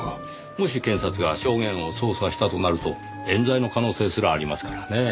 もし検察が証言を操作したとなると冤罪の可能性すらありますからねぇ。